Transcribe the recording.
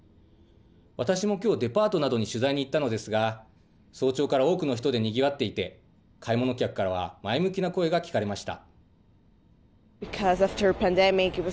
私もきょうデパートなどに取材に行ったのですが、早朝から多くの人でにぎわっていて、買い物客からは前向きな声が聞かれました。